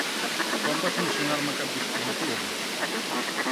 Quan vas mencionar-me cap dispositiu?